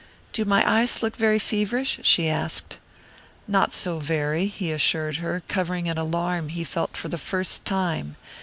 "Do my eyes look very feverish?" she asked. "Not so very," he assured her, covering an alarm he felt for the first time.